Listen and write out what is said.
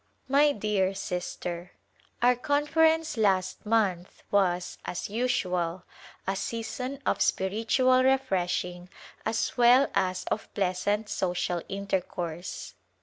My dear Sister : Our Conference last month was, as usual, a season of spiritual refreshing as well as of pleasant social intercourse.